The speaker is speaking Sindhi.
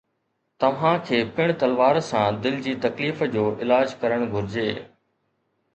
توهان کي پڻ تلوار سان دل جي تڪليف جو علاج ڪرڻ گهرجي